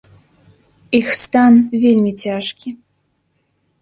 Іх стан вельмі цяжкі.